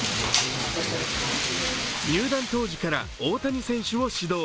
入団当時から大谷選手を指導。